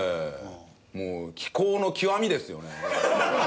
もう奇行の極みですよね。